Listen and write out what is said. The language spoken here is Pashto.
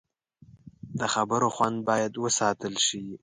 د خبرو خوند باید وساتل شي